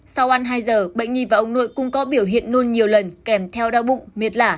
sau ăn hai giờ bệnh nhi và ông nội cũng có biểu hiện nun nhiều lần kèm theo đau bụng mệt lả